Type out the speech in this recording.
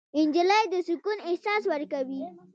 نجلۍ د سکون احساس ورکوي.